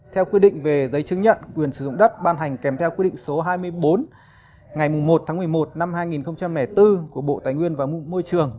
theo quy định về giấy chứng nhận quyền sử dụng đất ban hành kèm theo quy định số hai mươi bốn ngày một tháng một mươi một năm hai nghìn bốn của bộ tài nguyên và môi trường